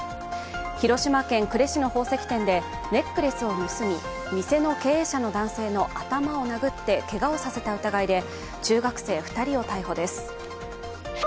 広島県呉市の宝石店で、ネックレスを盗み、店の経営者の男性の頭を殴ってけがをさせたとして中学生２人を逮捕です。